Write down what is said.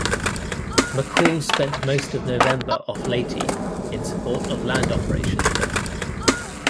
"McCall" spent most of November off Leyte in support of land operations there.